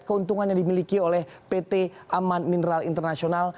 keuntungannya dimiliki oleh pt aman mineral internasional